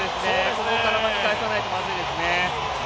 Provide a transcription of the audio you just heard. ここから巻き返さないとまずいですね。